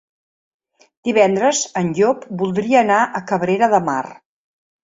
Divendres en Llop voldria anar a Cabrera de Mar.